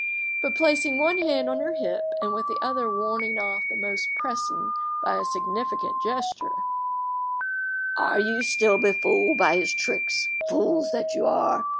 But, placing one hand on her hip, and with the other warning off the most pressing by a significant gesture— "Are you still befooled by his tricks, fools that you are?